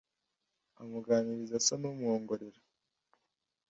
amuganiriza asa n'umwongorera.